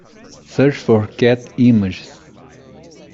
Search for cat images.